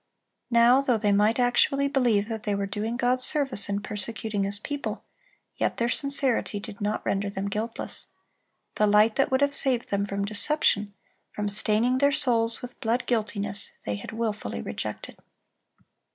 Now, though they might actually believe that they were doing God service in persecuting His people, yet their sincerity did not render them guiltless. The light that would have saved them from deception, from staining their souls with blood guiltiness, they had wilfully rejected.